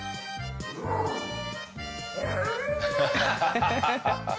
ハハハハ！